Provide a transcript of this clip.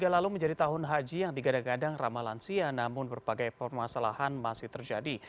dua ribu dua puluh tiga lalu menjadi tahun haji yang digadang gadang ramalansia namun berbagai permasalahan masih terjadi